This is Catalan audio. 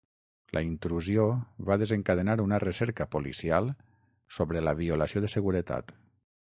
La intrusió va desencadenar una recerca policial sobre la violació de seguretat.